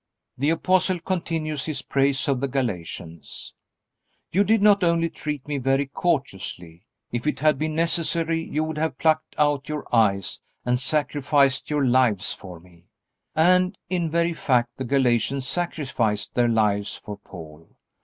The Apostle continues his praise of the Galatians. "You did not only treat me very courteously. If it had been necessary you would have plucked out your eyes and sacrificed your lives for me." And in very fact the Galatians sacrificed their lives for Paul.